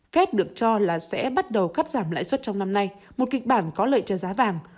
fed được cho là sẽ bắt đầu cắt giảm lãi suất trong năm nay một kịch bản có lợi cho giá vàng